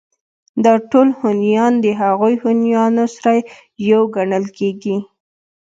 دا ټول هونيان د هغو هونيانو سره يو گڼل کېږي